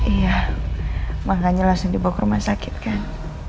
iya makanya langsung dibawa ke rumah sakit kan